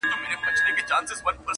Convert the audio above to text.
د پښتو ادب نړۍ ده پرې روښانه.